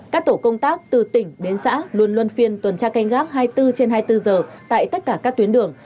các tổ công tác từ tỉnh đến xã luôn luôn phiên tuần tra canh gác hai mươi bốn trên hai mươi bốn giờ tại tất cả các tuyến đường